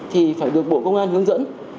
thì phải được bộ công an hướng dẫn